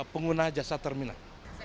pengguna jasa terminal